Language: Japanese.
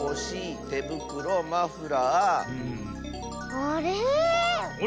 あれ？